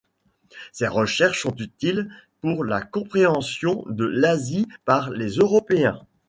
Ses recherches sont utiles pour la compréhension de l'Asie par les Européens.